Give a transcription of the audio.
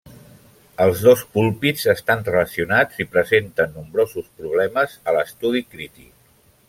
Els dos púlpits estan relacionats i presenten nombrosos problemes a l'estudi crític.